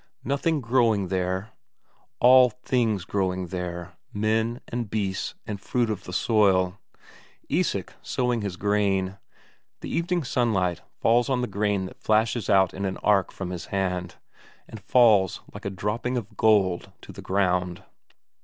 Nothing growing there? All things growing there; men and beasts and fruit of the soil. Isak sowing his corn. The evening sunlight falls on the corn that flashes out in an arc from his hand, and falls like a dropping of gold to the ground.